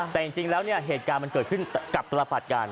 แต่จริงแล้วเนี่ยเหตุการณ์มันเกิดขึ้นกับตุลปัดกัน